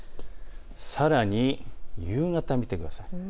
さらに夕方、見てください。